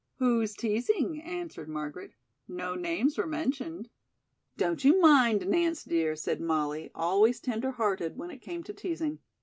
"Who's teasing?" answered Margaret. "No names were mentioned." "Don't you mind, Nance, dear," said Molly, always tender hearted when it came to teasing.